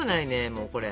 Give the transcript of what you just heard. もうこれ。